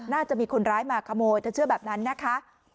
น่าจะมีคนร้ายมาขโมยเธอเชื่อแบบนั้นนะคะ